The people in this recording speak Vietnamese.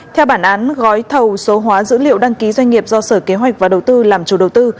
theo bản án gói thầu số hóa dữ liệu đăng ký doanh nghiệp do sở kế hoạch và đầu tư làm chủ đầu tư